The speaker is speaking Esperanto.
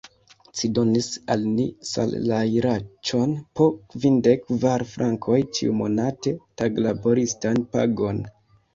Ci donis al ni salajraĉon po kvindek kvar frankoj ĉiumonate, taglaboristan pagon!